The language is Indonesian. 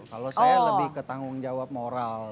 kalau saya lebih ketanggung jawab moral